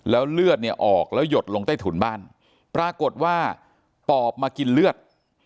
แล้วเลือดเนี่ยออกแล้วหยดลงใต้ถุนบ้านปรากฏว่าปอบมากินเลือด